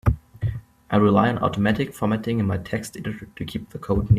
I rely on automatic formatting in my text editor to keep the code neat.